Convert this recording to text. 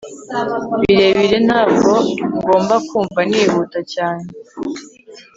Birebire Ntabwo ngomba kumva nihuta cyane